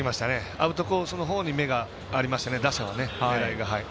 アウトコースの方に目がありましたね、打者は。